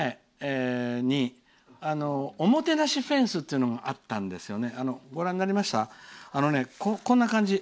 福島の駅前におもてなしフェンスというのがあったんですよね。